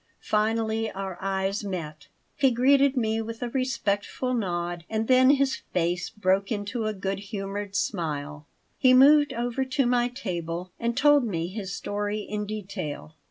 Finally our eyes met. He greeted me with a respectful nod and then his face broke into a good humored smile. He moved over to my table and told me his story in detail.